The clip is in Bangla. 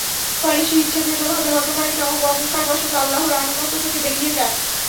ফলে সে ইচ্ছাকৃতভাবে হঠকারিতা ও অহংকারবশত আল্লাহর আনুগত্য থেকে বেরিয়ে যায়।